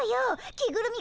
着ぐるみ